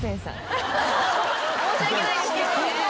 申し訳ないですけど。